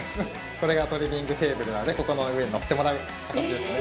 これがトリミングテーブルなのでここの上にのってもらう形ですね